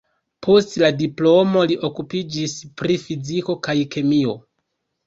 Post la diplomo li okupiĝis pri fiziko kaj kemio.